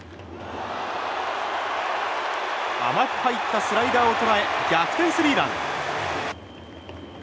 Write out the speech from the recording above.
甘く入ったスライダーを捉え逆転スリーラン。